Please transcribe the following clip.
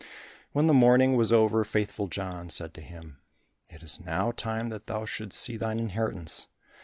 When the mourning was over, Faithful John said to him, "It is now time that thou shouldst see thine inheritance.